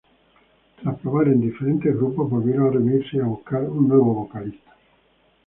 Tras probar en diferentes grupos, volvieron a reunirse y a buscar un nuevo vocalista.